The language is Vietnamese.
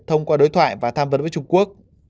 thông qua đối thoại và tham vấn với trung quốc